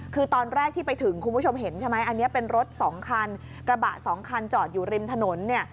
คือตอนแรกที่ไปถึงคุณผู้ชมเห็นใช่ไหมอันนี้เป็นรถสองคันกระบะสองคันจอดอยู่ริมถนนเนี่ย